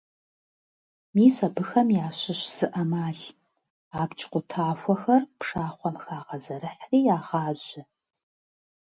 Мис абыхэм ящыщ зы Ӏэмал: Абдж къутахуэхэр пшахъуэм хагъэзэрыхьри ягъажьэ.